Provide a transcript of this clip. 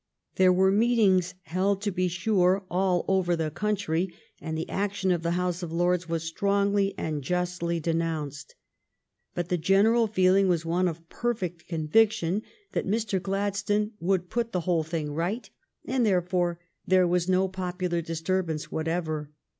There were meetings held, to be sure, all over the country, and the action of the House of Lords was strongly and justly denounced. But the general feeling was one of perfect conviction that Mr. Gladstone would put the whole thing right, and therefore there was no popular disturbance whatever.